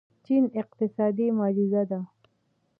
چین اقتصادي معجزه ده.